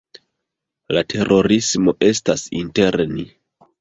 La terorismo estas inter ni.